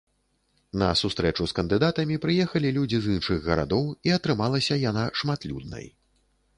На сустрэчу з кандыдатамі прыехалі людзі з іншых гарадоў, і атрымалася яна шматлюднай.